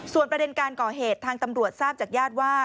ประเด็นการก่อเหตุทางตำรวจทราบจากญาติว่า